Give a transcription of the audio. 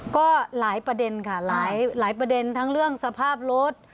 ก็หลายประเด็นค่ะหลายประเด็นทั้งเรื่องสภาพรถ